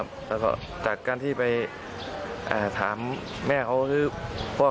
ก็เลยตามไปที่บ้านไม่พบตัวแล้วค่ะ